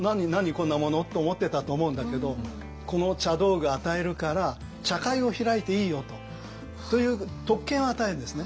こんな物」と思ってたと思うんだけどこの茶道具与えるから茶会を開いていいよと。という特権を与えるんですね。